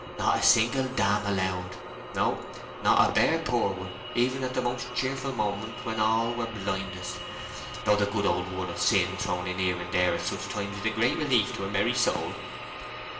Not a single damn allowed; no, not a bare poor one, even at the most cheerful moment when all were blindest, though the good old word of sin thrown in here and there at such times is a great relief to a merry soul."